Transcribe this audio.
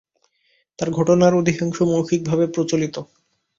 তার ঘটনার অধিকাংশ মৌখিকভাবে প্রচলিত।